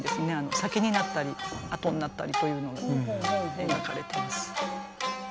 先になったり後になったりというのが描かれています。